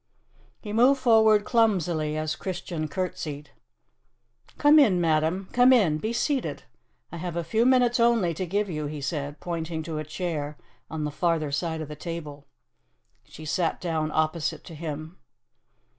He moved forward clumsily as Christian curtsied. "Come in, madam, come in. Be seated. I have a few minutes only to give you," he said, pointing to a chair on the farther side of the table. She sat down opposite to him.